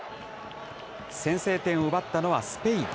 先制点を奪ったのはスペイン。